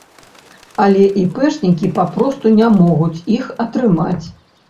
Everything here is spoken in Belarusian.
Але іпэшнікі папросту не могуць іх атрымаць.